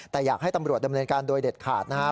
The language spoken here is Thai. แต่อยากให้ตำรวจดำเนินการโดยเด็ดขาดนะครับ